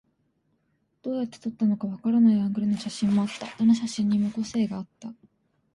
どうやって撮ったのかわからないアングルの写真もあった。どの写真にも個性があった。